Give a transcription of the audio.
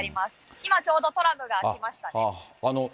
今ちょうど、トラムが来ましたね。